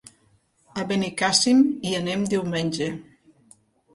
A Benicàssim hi anem diumenge.